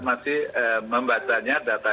masih membacanya data